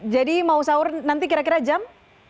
jadi mau sahur nanti kira kira jam